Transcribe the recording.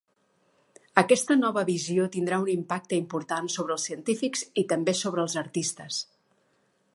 Aquesta nova visió tindrà un impacte important sobre els científics i també sobre els artistes.